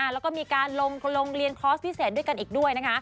แล้วก็มีการลงเรียนคอร์สพิเศษด้วยกันอีกด้วยนะคะ